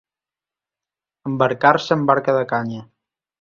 Embarcar-se en barca de canya.